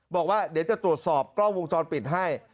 บอกว่าเดี๋ยวจะตรวจสอบกล้องวงจรปิดให้